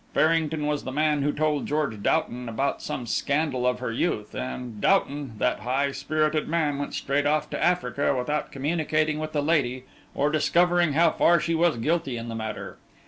Farrington was the man who told George Doughton about some scandal of her youth, and Doughton, that high spirited man, went straight off to Africa without communicating with the lady or discovering how far she was guilty in the matter.